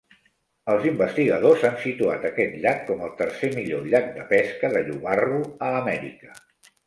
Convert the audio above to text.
Els investigadors han situat aquest llac com el tercer millor llac de pesca de llobarro a Amèrica.